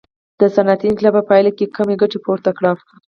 د صنعتي انقلاب په پایله کې یې کمه ګټه پورته کړه.